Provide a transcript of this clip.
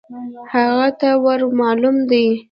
هغه ته ور مالوم دی .